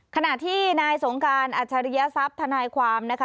ขณะที่นายสงการอัจฉริยศัพย์ทนายความนะคะ